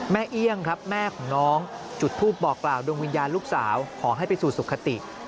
เอี่ยงครับแม่ของน้องจุดทูปบอกกล่าวดวงวิญญาณลูกสาวขอให้ไปสู่สุขติ